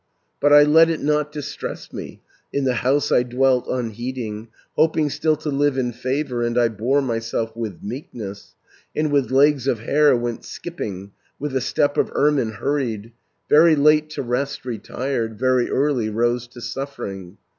"But I let it not distress me, In the house I dwelt unheeding, Hoping still to live in favour, And I bore myself with meekness, 580 And with legs of hare went skipping, With the step of ermine hurried, Very late to rest retired, Very early rose to suffering.